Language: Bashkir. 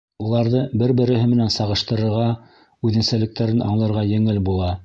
Уларҙы бер-береһе менән сағыштырырға, үҙенсәлектәрен аңларға еңел була.